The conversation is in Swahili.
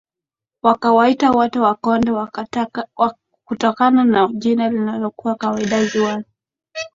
wakawaita wote Wakonde kutokana na jina lililokuwa kawaida ziwani